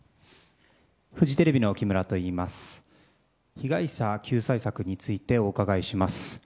被害者救済策についてお伺いします。